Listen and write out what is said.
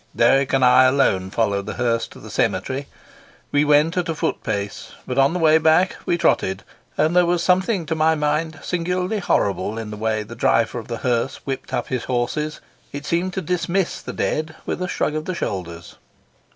Dirk and I alone followed the hearse to the cemetery. We went at a foot pace, but on the way back we trotted, and there was something to my mind singularly horrible in the way the driver of the hearse whipped up his horses. It seemed to dismiss the dead with a shrug of the shoulders.